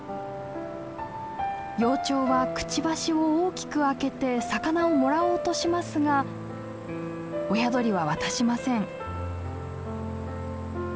幼鳥はくちばしを大きく開けて魚をもらおうとしますが親鳥は渡しません。